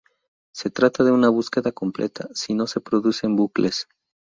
Se trata de una búsqueda completa, si no se producen bucles.